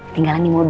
tinggalan di mobil